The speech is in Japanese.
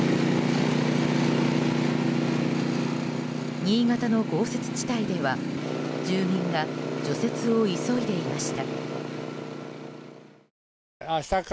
新潟の豪雪地帯では住民が除雪を急いでいました。